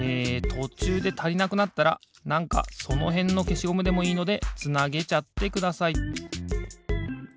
とちゅうでたりなくなったらなんかそのへんのけしゴムでもいいのでつなげちゃってください。